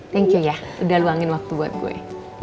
thank you ya sudah luangin waktu buat gue